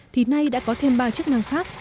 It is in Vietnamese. thì nay đã có thêm ba chức năng khác